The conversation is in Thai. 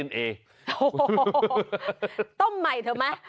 โอ้โหต้มใหม่เถอะไหม